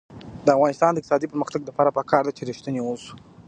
د افغانستان د اقتصادي پرمختګ لپاره پکار ده چې ریښتیني اوسو.